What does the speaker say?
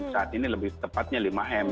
saat ini lebih tepatnya lima m